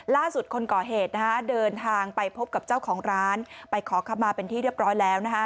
ล่าสุดคนก่อเหตุเดินทางไปพบกับเจ้าของร้านไปขอขับมาเป็นที่เรียบร้อยแล้ว